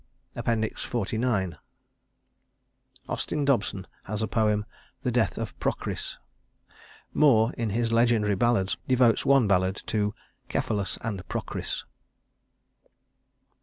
XLIX Austin Dobson has a poem "The Death of Procris." Moore, in his Legendary Ballads, devotes one ballad to "Cephalus and Procris."